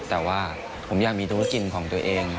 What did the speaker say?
แต่ว่าผมอยากมีธุรกิจของตัวเอง